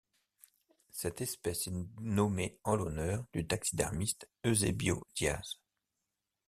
Cette espèce est nommée en l'honneur du taxidermiste Eusebio Diaz.